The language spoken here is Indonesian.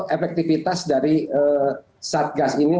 efektifitas dari satgas ini